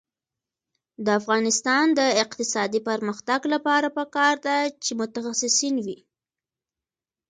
د افغانستان د اقتصادي پرمختګ لپاره پکار ده چې متخصصین وي.